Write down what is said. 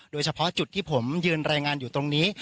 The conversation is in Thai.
โดยเฉพาะจุดที่ผมยืนรายงานอยู่ตรงนี้